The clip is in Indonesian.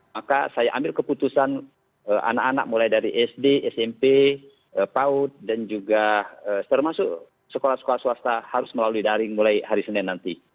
maka saya ambil keputusan anak anak mulai dari sd smp paud dan juga termasuk sekolah sekolah swasta harus melalui daring mulai hari senin nanti